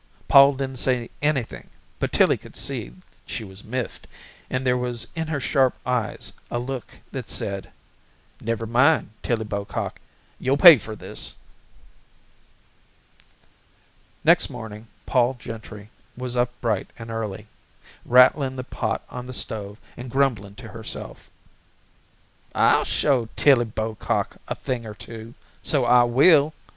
Pol didn't say anything but Tillie could see she was miffed and there was in her sharp eyes a look that said, "Never mind, Tillie Bocock, you'll pay for this." Next morning Pol Gentry was up bright and early, rattling the pot on the stove and grumbling to herself. "I'll show Tillie Bocock a thing or two. So I will.